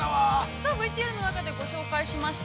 ◆さあ、ＶＴＲ中で紹介しました